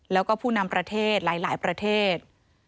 แล้วก็ผู้นำประเทศหลายประเทศ